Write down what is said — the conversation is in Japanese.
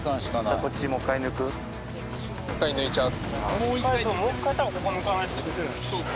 もう１回抜いちゃう？